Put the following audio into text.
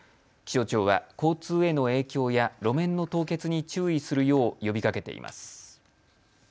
気象庁は交通への影響や路面の凍結に注意するよう呼びかけています。